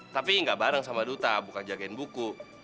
tapi gak bareng sama duta bukan jagain buku